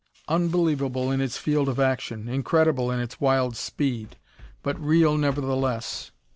Unbelievable in its field of action, incredible in its wild speed, but real, nevertheless!